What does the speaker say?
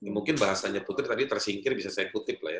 mungkin bahasanya putri tadi tersingkir bisa saya kutip lah ya